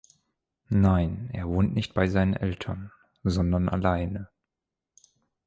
Nein, er wohnt nicht bei seinen Eltern, sondern alleine.